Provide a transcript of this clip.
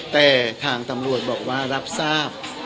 แต่ทางตำรวจบอกว่ารับทราบ